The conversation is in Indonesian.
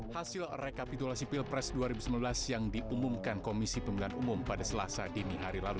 hasil rekapitulasi pilpres dua ribu sembilan belas yang diumumkan komisi pemilihan umum pada selasa dini hari lalu